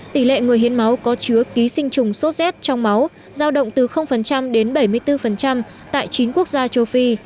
tỷ lệ người hiến máu có chứa ký sinh trùng sốt rét trong máu giao động từ đến bảy mươi bốn tại chín quốc gia châu phi